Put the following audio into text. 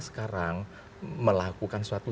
sekarang melakukan suatu